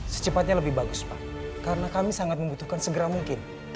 secepatnya lebih bagus pak karena kami sangat membutuhkan segera mungkin